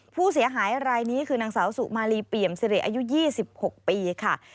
ผู้เสียหายรายนี้คือนางสาวสุมารีเปี่ยมสิริอายุ๒๖ปีค่ะ